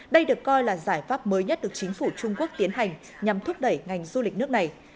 đây được coi là giải pháp mới nhất được chính phủ trung quốc tiến hành nhằm thúc đẩy ngành du lịch nước này